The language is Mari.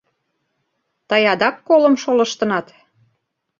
Тый адак колым шолыштынат?!